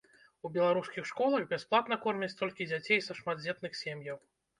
У беларускіх школах бясплатна кормяць толькі дзяцей са шматдзетных сем'яў.